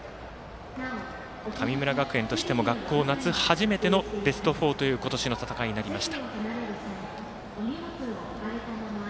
神村学園としても学校初、夏初めてのベスト４という今年の戦いとなりました。